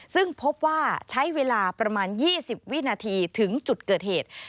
ซึ่งพบว่าใช้เวลาประมาณ๒๐วินาทีถึงจุดเกิดเหตุ